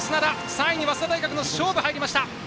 ３位に早稲田大学の菖蒲が入りました。